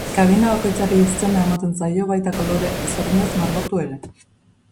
Kabina bakoitzari izena ematen zaio baita kolore ezberdinez margotu ere.